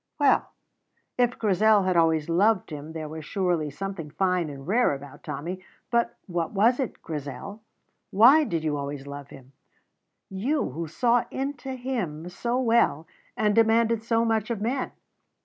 Well, if Grizel had always loved him there was surely something fine and rare about Tommy. But what was it, Grizel? Why did you always love him, you who saw into him so well and demanded so much of men?